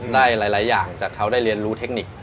ได้หลายอย่างจากเขาได้เรียนรู้เทคนิค